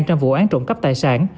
trong vụ án trộm cắp tài sản